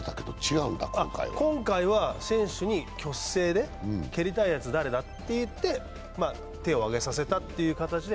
今回は選手に挙手制で蹴りたいやつ誰だって言って手を挙げさせたという形で。